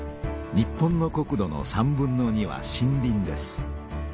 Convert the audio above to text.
日本の国土の３分の２は森林です。